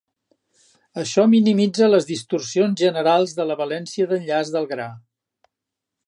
Això minimitza les distorsions generals de la valència d'enllaç del gra.